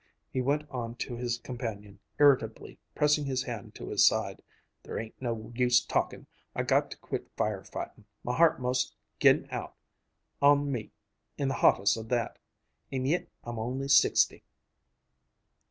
He went on to his companion, irritably, pressing his hand to his side: "There ain't no use talkin', I got to quit fire fightin'. My heart 'most gi'n out on me in the hottest of that. And yit I'm only sixty!"